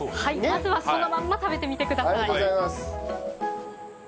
まずはそのまんま食べてみてください。